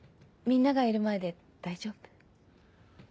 みんながいる前で大丈夫？